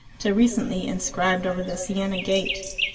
till recently enscribed over the Siena gate.